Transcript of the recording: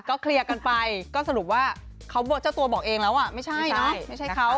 ก็เคลียร์กันไปก็สรุปว่าเจ้าตัวบอกเองแล้วไม่ใช่เค้า